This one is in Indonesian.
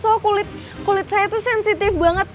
soalnya kulit kulit saya tuh sensitif banget